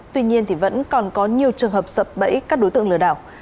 tuy nhiên vẫn còn có nhiều trường hợp sập bẫy các đối tượng lừa đảo